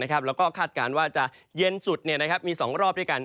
แล้วก็คาดการณ์ว่าจะเย็นสุดมี๒รอบด้วยกัน